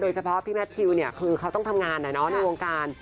เฉพาะพี่แมททิวเนี่ยคือเขาต้องทำงานในวงการ